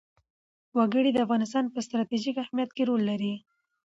وګړي د افغانستان په ستراتیژیک اهمیت کې رول لري.